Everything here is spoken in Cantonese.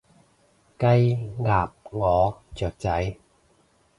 雞，鴨，鵝，雀仔